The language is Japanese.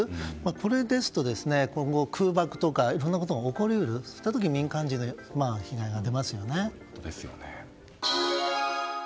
これですと今後、空爆とかいろんなことが起こり得る時に民間人に被害が出ますよね。